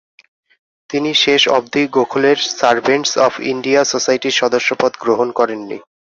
তিনি শেষ অবধি গোখলের সারভেন্টস অফ ইন্ডিয়া সোসাইটির সদস্যপদ গ্রহণ করেননি।